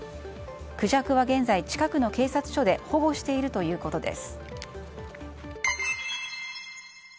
クジャクは現在近くの警察署で保護しているということです。